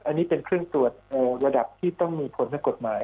อันนี้เป็นเครื่องตรวจระดับที่ต้องมีผลทางกฎหมาย